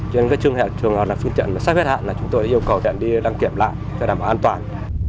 trên các trường hợp trường hợp là phương tiện sắp hết hạn là chúng tôi yêu cầu đi đang kiểm lại để đảm bảo an toàn